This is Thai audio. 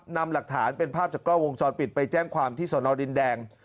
นำหลักฐานเป็นภาพจากกล้องวงจรปิดไปแจ้งความที่สนดินแดง